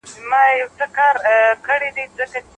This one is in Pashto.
سياسي ټکرونه کله ناکله د ټولنيزو بدلونونو لامل کېږي.